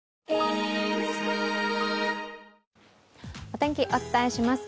お天気、お伝えします。